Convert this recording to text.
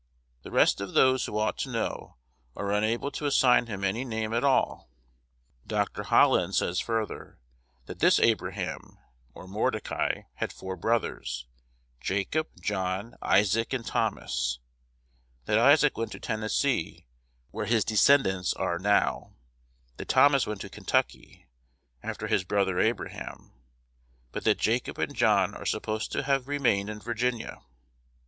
The rest of those who ought to know are unable to assign him any name at all. Dr. Holland says further, that this Abraham (or Mordecai) had four brothers, Jacob, John, Isaac, and Thomas; that Isaac went to Tennessee, where his descendants are now; that Thomas went to Kentucky after his brother Abraham; but that Jacob and John "are supposed to have" remained in Virginia.